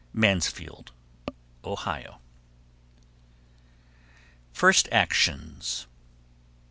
Mansfield, O. FIRST ACTIONS.